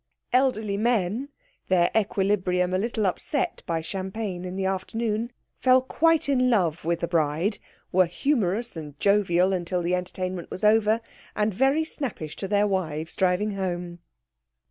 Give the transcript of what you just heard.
Elderly men, their equilibrium a little upset by champagne in the afternoon, fell quite in love with the bride, were humorous and jovial until the entertainment was over, and very snappish to their wives driving home.